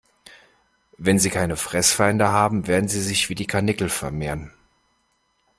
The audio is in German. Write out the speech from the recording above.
Wenn sie keine Fressfeinde haben, werden sie sich wie die Karnickel vermehren.